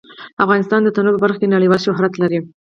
افغانستان د تنوع په برخه کې نړیوال شهرت لري.